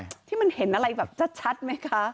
ทีมงานมีภาพแบบที่มันเห็นอะไรแบบชัดไหมคะ